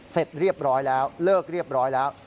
เสร็จเรียบร้อยแล้วเลิกเรียบร้อยแล้ว